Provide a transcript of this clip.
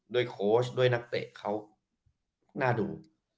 โค้ชด้วยนักเตะเขาน่าดู